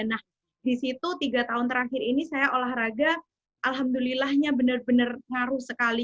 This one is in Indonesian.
nah disitu tiga tahun terakhir ini saya olahraga alhamdulillahnya benar benar ngaruh sekali